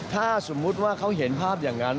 ถ้าสมมุติว่าเขาเห็นภาพอย่างนั้น